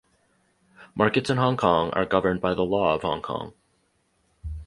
Markets in Hong Kong are governed by the law of Hong Kong.